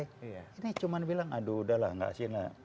ini cuma bilang aduh udah lah enggak asin lah